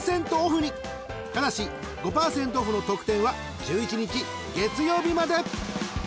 ［ただし５％オフの特典は１１日月曜日まで］